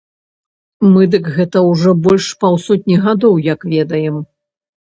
Мы дык гэта ўжо больш паўсотні гадоў як ведаем.